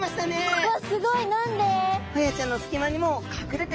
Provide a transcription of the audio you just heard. うわっすごい！何で？